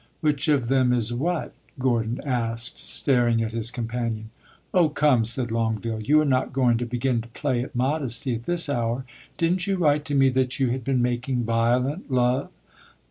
"Which of them is what?" Gordon asked, staring at his companion. "Oh, come," said Longueville, "you are not going to begin to play at modesty at this hour! Did n't you write to me that you had been making violent love?"